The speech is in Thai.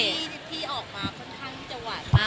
มิ๊กออกมาค่อนข้างจังหวาน